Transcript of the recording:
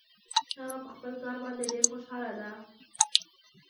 هغه په خپل کار باندې ډېر خوشحاله ده